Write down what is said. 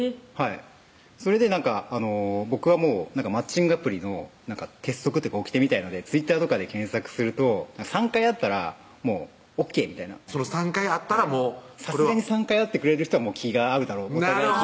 それで僕はもうマッチングアプリの鉄則というかおきてみたいなのでＴｗｉｔｔｅｒとかで検索すると３回会ったらもうＯＫみたいな３回会ったらもうさすがに３回会ってくれる人は気があるだろう